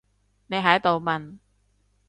你喺度問？